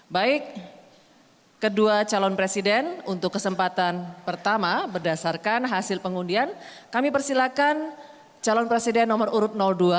baik kedua calon presiden untuk kesempatan pertama berdasarkan hasil pengundian kami persilakan calon presiden nomor urut dua